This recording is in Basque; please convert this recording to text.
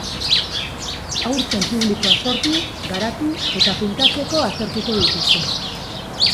Aurten publikoa sortu, garatu eta finkatzeko aztertuko dituzte.